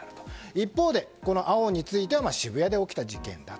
一方で青については渋谷で起きた事件だと。